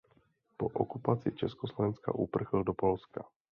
Po okupaci Československa uprchl do Polska.